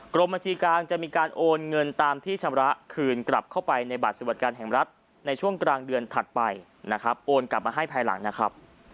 กรมบัญชีกลางจะมีการโอนเงินตามที่ชำระคืนกลับเข้าไปในบัตรสวัสดิการแห่งรัฐในช่วงกลางเดือนถัดไปนะครับโอนกลับมาให้ภายหลังนะครับ